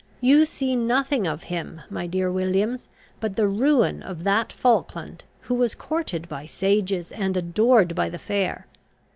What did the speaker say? You see nothing of him, my dear Williams, but the ruin of that Falkland who was courted by sages, and adored by the fair.